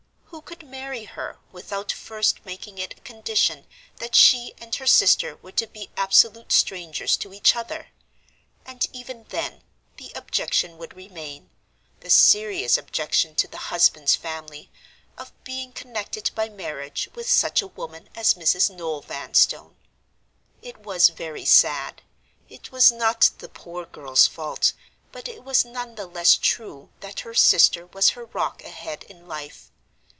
Who could marry her, without first making it a condition that she and her sister were to be absolute strangers to each other? And even then, the objection would remain—the serious objection to the husband's family—of being connected by marriage with such a woman as Mrs. Noel Vanstone. It was very sad; it was not the poor girl's fault, but it was none the less true that her sister was her rock ahead in life.